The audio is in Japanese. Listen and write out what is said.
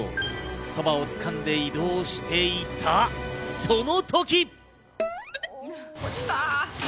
そばをつかんで移動していたその時。